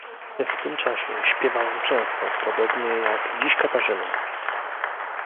"W tym czasie śpiewałem często podobnie jak dziś Katarzyna."